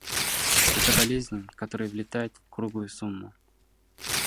Это болезни, которые влетают в круглую сумму.